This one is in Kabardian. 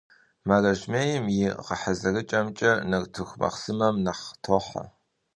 Мэрэмэжьейм и гъэхьэзырыкIэкIэ нартыху махъсымэм нэхъ тохьэ.